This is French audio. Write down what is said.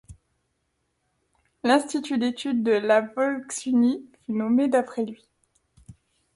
L'institut d'études de la Volksunie fut nommé d'après lui.